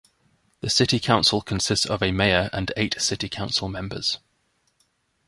The city council consists of a mayor and eight city council members.